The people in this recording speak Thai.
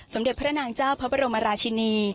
สมเด็จพระนางเจ้าพระบรมราชินี